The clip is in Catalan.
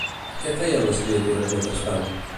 Què feien les criatures mentrestant?